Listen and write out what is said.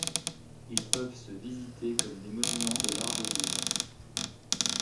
Ils peuvent se visiter comme des monuments de l'art de vivre.